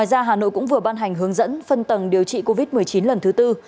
hà gia hà nội cũng vừa ban hành hướng dẫn phân tầng điều trị covid một mươi chín lần thứ tư